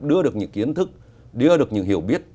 đưa được những kiến thức đưa được những hiểu biết